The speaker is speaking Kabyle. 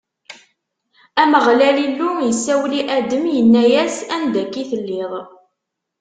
Ameɣlal Illu isawel i Adam, inna-as: Anda akka i telliḍ?